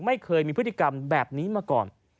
ไม่เคยมีพฤติกรรมแบบนี้มาก่อน